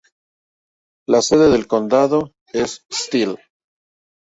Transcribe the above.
La sede del condado es Steele.